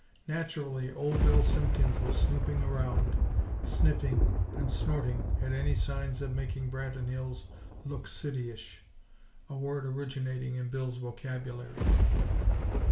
Naturally Old Bill Simpkins was snooping around, sniffing and snorting at any signs of making Branton Hills "look cityish," (a word originating in Bill's vocabulary.)